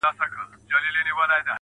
يه پر ما گرانه ته مي مه هېروه.